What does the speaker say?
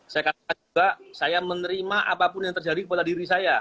saya katakan juga saya menerima apapun yang terjadi kepada diri saya